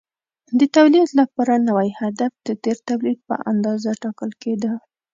د تولید لپاره نوی هدف د تېر تولید په اندازه ټاکل کېده.